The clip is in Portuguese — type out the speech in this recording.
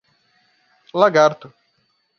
Lagarto